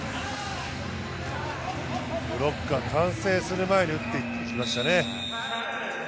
ブロックが完成する前に打っていきましたね。